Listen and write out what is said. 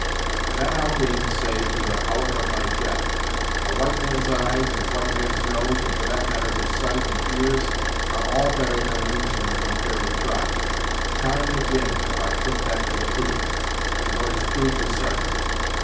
"That I'll gainsay, to the hour of my death! A white man's eyes, and a white man's nose, and for that matter his sight and ears are all better than an Injin's when fairly tried. Time and ag'in have I put that to the proof, and what is proved is sartain.